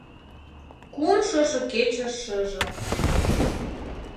Кум шошо кече шыжым